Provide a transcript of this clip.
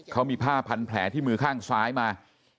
เขามีผ้าพันแผลที่มือข้างซ้ายมา